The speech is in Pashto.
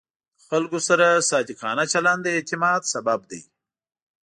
د خلکو سره صادقانه چلند د اعتماد سبب دی.